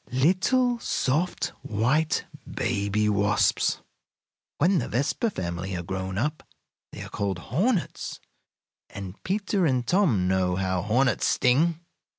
Little, soft, white baby wasps. When the Vespa family are grown up they are called hornets, and Peter and Tom know how hornets sting!